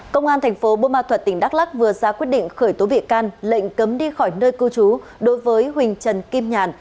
công an thành phố bô ma thuật tỉnh đắk lắc vừa ra quyết định khởi tố bị can lệnh cấm đi khỏi nơi cư trú đối với huỳnh trần kim nhàn